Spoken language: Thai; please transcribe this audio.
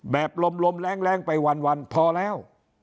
ลมแรงไปวันพอแล้ว